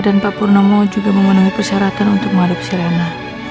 dan pak purnomo juga memenuhi persyaratan untuk mengadopsi reina